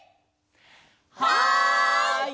はい！